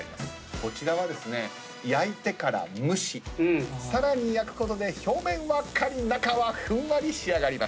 こちらはですね焼いてから蒸しさらに焼くことで表面はカリッ中はふんわり仕上がります。